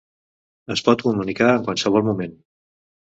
Es pot comunicar en qualsevol moment.